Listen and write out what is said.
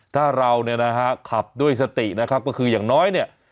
ถ้าเราเนี่ยนะฮะขับด้วยสตินะครับก็คืออย่างน้อยเนี่ย